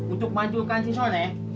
untuk memancurkan soleh